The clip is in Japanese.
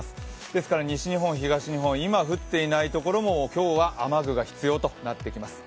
ですから西日本、東日本今降っていない所も今日は雨具が必要となってきます。